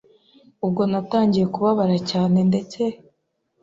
ubwo natangiye kubabara cyane ndetse